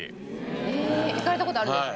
え行かれた事あるんですね。